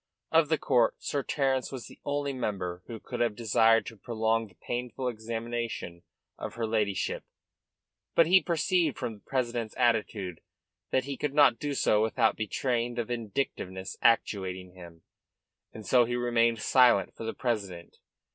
Of the court Sir Terence was the only member who could have desired to prolong the painful examination of her ladyship. But he perceived from the president's attitude that he could not do so without betraying the vindictiveness actuating him; and so he remained silent for the present.